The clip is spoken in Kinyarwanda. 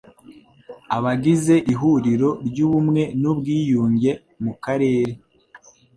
Abagize Ihuriro ry Ubumwe n Ubwiyunge mu Karere